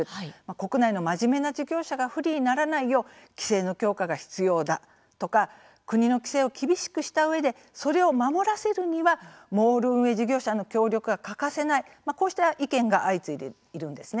国内の真面目な事業者が不利にならないよう規制の強化が必要だとか国の規制を厳しくしたうえでそれを守らせるにはモール運営事業者の協力が欠かせない、こうした意見が相次いでいるんです。